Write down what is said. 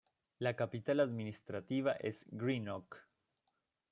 La capital administrativa es Greenock.